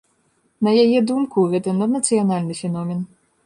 На яе думку, гэта наднацыянальны феномен.